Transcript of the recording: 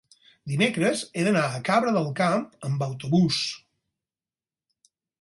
dimecres he d'anar a Cabra del Camp amb autobús.